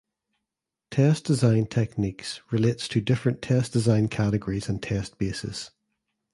Test design techniques relates to different test design categories and test basis.